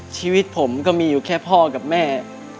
ชีวิตผมก็มีอยู่แค่พ่อกับแม่